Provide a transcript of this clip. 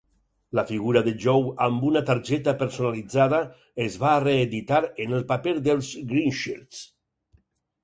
La figura de Joe amb una targeta personalitzada, es va reeditar en el paper dels Greenshirts.